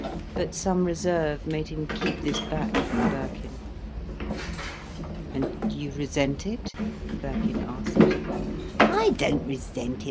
But some reserve made him keep this back from Birkin. "And you resent it?" Birkin asked. "I don't resent it.